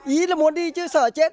ý là muốn đi chứ sợ chết